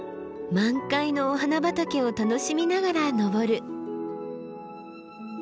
満開のお花畑を楽しみながら登る。